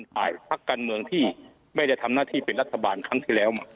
ฝ่ายพักการเมืองที่ไม่ได้ทำหน้าที่เป็นรัฐบาลครั้งที่แล้ว